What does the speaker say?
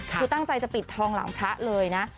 คือตั้งใจจะปิดทองหลังพระเลยนะ